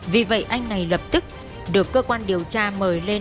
vì vậy anh này lập tức được cơ quan điều tra mời lên